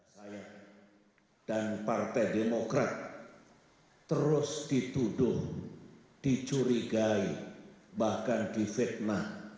saya dan partai demokrat terus dituduh dicurigai bahkan difitnah